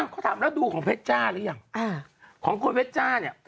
เขาถามแล้วดูของเพชรจ้าหรือยังของคนเวชจ้าเนี่ย